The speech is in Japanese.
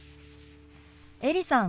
エリさん